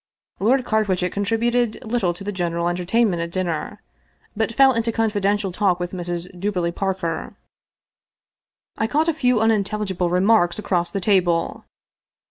Lord Carwitchet contributed little to the general enter tainment at dinner, but fell into confidential talk with Mrs. Duberly Parker. I caught a few unintelligible remarks across the table.